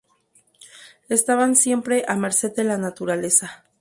Estaban siempre a merced de la naturaleza.